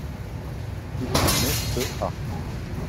Il fut nommé e.a.